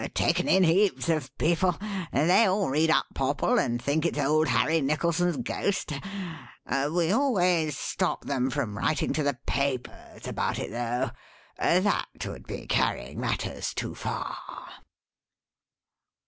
Taken in heaps of people; they all read up Popple and think it's old Harry Nicholson's ghost; we always stop them from writing to the papers about it, though. That would be carrying matters too far."